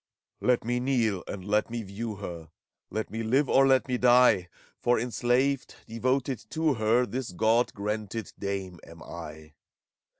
Let me kneel, and let me view her, Let me live, or let me die ! For enslaved, devoted to her. This Gk>d granted Dame, am I.